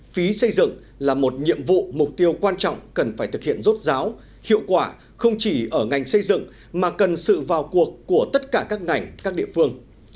phí xây dựng là một nhiệm vụ mục tiêu quan trọng cần phải thực hiện rốt ráo hiệu quả không chỉ ở ngành xây dựng mà cần sự vào cuộc của tất cả các ngành các địa phương